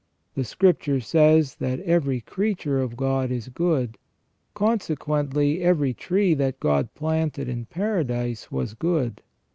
The Scripture says that every creature of God is good. Consequently, every tree that God planted in Paradise was good.